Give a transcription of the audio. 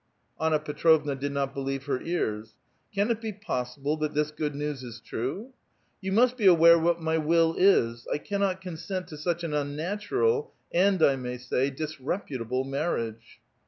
Anna Petrovna did not believe her ears. Can it be possible that this good news is true ?" You must be aware what my will is. I cannot consent to such an unnatural and, I may say, disreputable marriage."